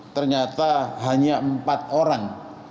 ternyata hanya empat orang